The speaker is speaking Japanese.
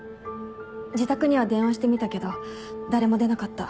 自宅には電話してみたけど誰も出なかった。